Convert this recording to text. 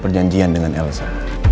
perjanjian dengan elsa